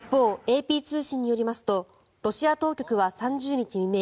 一方、ＡＰ通信によりますとロシア当局は３０日未明